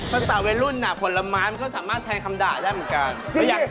ภาษาวัยรุ่นผลไม้มันก็สามารถแทนคำด่าได้เหมือนกัน